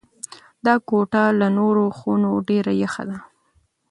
دا کوټه له نورو خونو ډېره یخه ده.